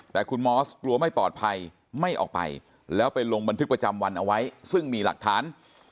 แต่คุณมอสกลัวไม่ปลอดภัยไม่ออกไปแล้วไปลงบันทึกประจำวันเอาไว้ซึ่งมีหลักฐาน